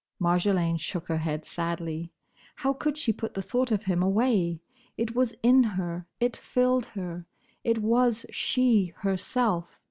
Marjolaine shook her head sadly. How could she put the thought of him away? It was in her. It filled her. It was she herself.